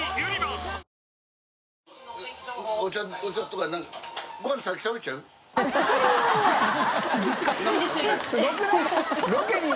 すごくない？